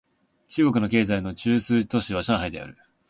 中国の経済の中枢都市は上海である